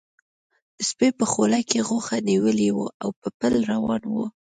سپي په خوله کې غوښه نیولې وه او په پل روان و.